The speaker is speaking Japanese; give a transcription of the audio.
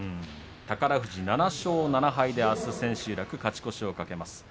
宝富士、７勝７敗であす千秋楽勝ち越しを懸けます。